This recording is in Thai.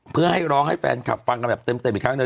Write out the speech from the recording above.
เพื่อให้ร้องให้แฟนคลับฟังกันแบบเต็มอีกครั้งหนึ่ง